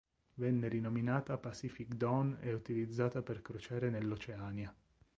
Venne rinominata Pacific Dawn e utilizzata per crociere nell'Oceania.